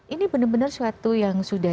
ini benar benar suatu yang sudah